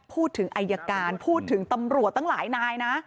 พูดถึงอายการพูดถึงตำรวจตั้งหลายนายนะ